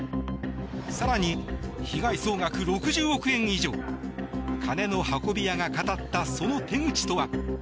更に、被害総額６０億円以上金の運び屋が語ったその手口とは。